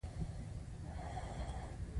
هو د شیدو محصولات په زیاته اندازه کلسیم لري